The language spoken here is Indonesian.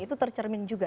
itu tercermin juga